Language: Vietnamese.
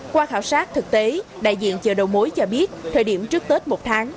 qua khảo sát thực tế đại diện chợ đầu mối cho biết thời điểm trước tết một tháng